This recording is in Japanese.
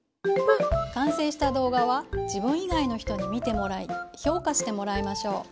完成した動画は自分以外の人に見てもらい評価してもらいましょう。